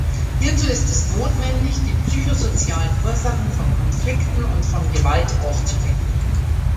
Hierzu ist es notwendig, die psychosozialen Ursachen von Konflikten und von Gewalt aufzudecken.